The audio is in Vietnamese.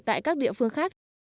tại các địa phương khác